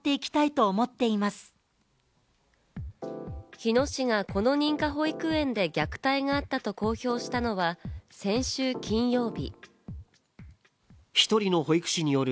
日野市がこの認可保育園で虐待があったと公表したのは先週金曜日。